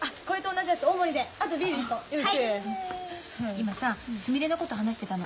今さすみれのこと話してたの。